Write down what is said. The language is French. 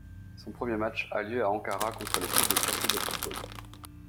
Son premier match a lieu à Ankara contre l’équipe de Turquie de football.